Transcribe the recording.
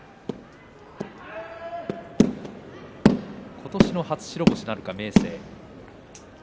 今年の初白星なるか、明生。